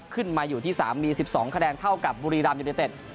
ขึ้นมาอยู่ที่๓มี๑๒คะแนนเท่ากับบุรีรัมยูเนเต็ด